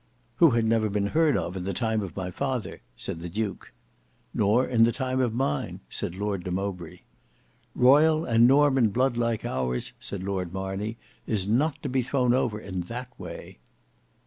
"Who had never been heard of in the time of my father," said the duke. "Nor in the time of mine," said Lord de Mowbray. "Royal and Norman blood like ours," said Lord Marney, "is not to be thrown over in that way."